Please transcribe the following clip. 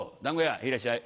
「へいいらっしゃい。